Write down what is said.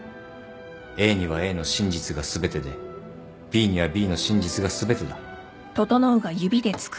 ＡにはＡの真実が全てでＢにはＢの真実が全てだ。